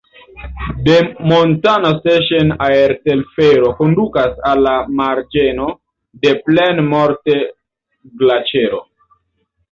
De Montana-Station aertelfero kondukas al la marĝeno de Plaine-Morte-Glaĉero.